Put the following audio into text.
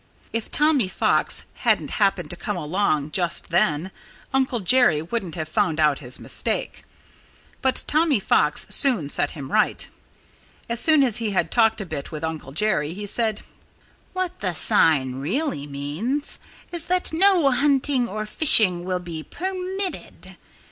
If Tommy Fox hadn't happened to come along just then Uncle Jerry wouldn't have found out his mistake. But Tommy Fox soon set him right. As soon as he had talked a bit with Uncle Jerry he said: "What the sign really means is that no hunting or fishing will be permitted.